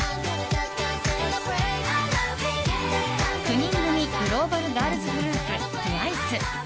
９人組グローバルガールズグループ、ＴＷＩＣＥ。